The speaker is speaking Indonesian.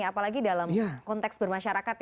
apalagi dalam konteks bermasyarakat